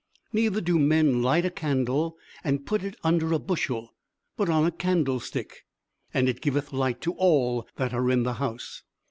"Neither do men light a candle and put it under a bushel, but on a candle stick, and it giveth light to all that are in the house."